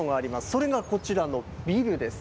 それがこちらのビルです。